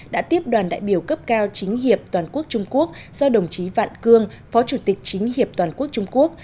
đã tiếp đoàn đại biểu cấp cao chính hiệp toàn quốc trung quốc do đồng chí vạn cương phó chủ tịch chính hiệp toàn quốc trung quốc